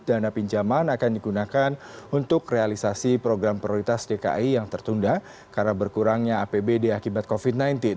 dana pinjaman akan digunakan untuk realisasi program prioritas dki yang tertunda karena berkurangnya apbd akibat covid sembilan belas